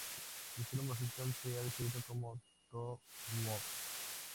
Su estilo musical se ha descrito como doo-wop.